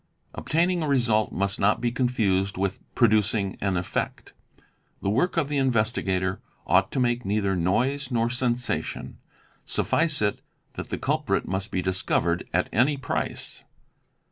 "Obtaining a result' must not be confused with 'producing an effect." The work of the investigator ought to make neither noise nor sensation: suffice it that the culprit must be discovered at any price.